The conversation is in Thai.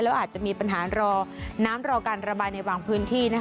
แล้วอาจจะมีปัญหารอน้ำรอการระบายในบางพื้นที่